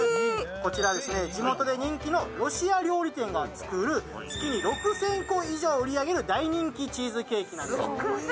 こちら地元で人気のロシア料理店が作る月に６０００個以上売り上げる大人気チーズケーキなんです。